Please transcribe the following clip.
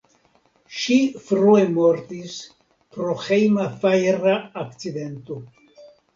Ŝi frue mortis pro hejma fajra akcidento.